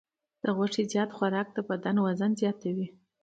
د غوښې زیات خوراک د بدن وزن زیاتوي.